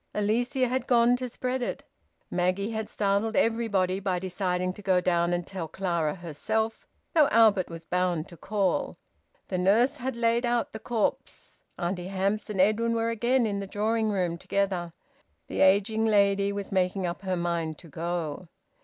Alicia had gone to spread it. Maggie had startled everybody by deciding to go down and tell Clara herself, though Albert was bound to call. The nurse had laid out the corpse. Auntie Hamps and Edwin were again in the drawing room together; the ageing lady was making up her mind to go.